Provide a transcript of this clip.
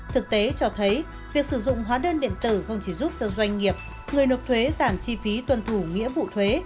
thực tế cho thấy việc sử dụng hóa đơn điện tử không chỉ giúp cho doanh nghiệp người nộp thuế giảm chi phí tuân thủ nghĩa vụ thuế